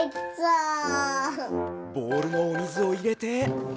ボールのおみずをいれて。